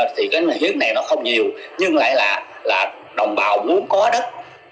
thì cái hiếp này nó không nhiều nhưng lại là đồng bào muốn có đất